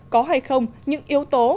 có hay không những yếu tố